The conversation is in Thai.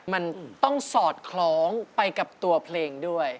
มันต้องสอดคล้องไปกับตัวเพลงด้วย